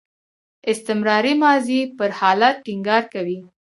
استمراري ماضي پر حالت ټینګار کوي.